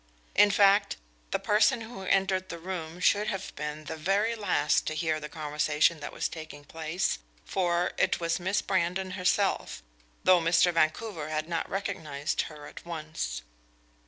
In fact, the person who entered the room should have been the very last to hear the conversation that was taking place, for it was Miss Brandon herself, though Mr. Vancouver had not recognized her at once.